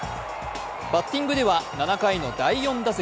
バッティングでは７回の第４打席。